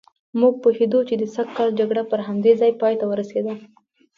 موږ پوهېدو چې د سږ کال جګړه پر همدې ځای پایته ورسېده.